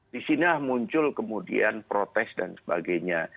di sini muncul kemudian protes dan sebagainya